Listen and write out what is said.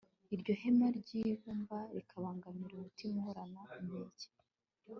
iryo hema ry'ibumba rikabangamira umutima uhorana inkeke